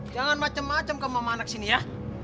jangan macem macem kamu sama anak sini ya